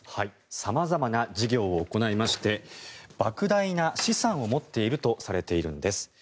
様々な事業を行いましてばく大な資産を持っているとされているんです。